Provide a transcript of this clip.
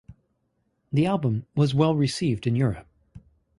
The album was well received in Europe.